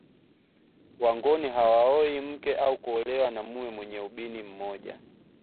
Wangoni hawaoi mke au kuolewa na mume mwenye ubini mmoja